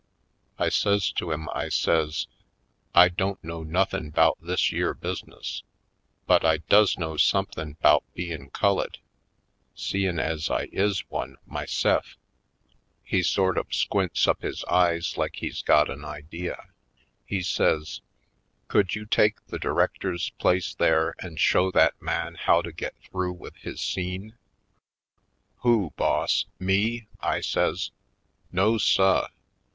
I says to him, I says: "I don't know nothin' 'bout this yere bus' ness, but I does know somethin' 'bout bein' cullid, seein' ez I is one myse'f ." He sort of squints up his eyes like he's got an idea. He says: "Could you take the director's place there and show that man how to get through with his scene?" "Who, boss, me?" I says. "No suh!